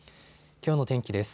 きょうの天気です。